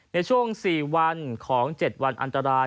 ในช่วง๔วันของ๗วันอันตราย